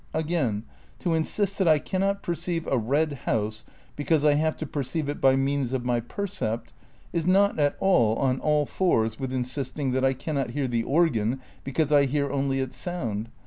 Again, "to insist that I cannot perceive a red house because I have to perceive it by means of my percept" is not at all on all fours with "insisting that I cannot hear the organ because I hear only its sound."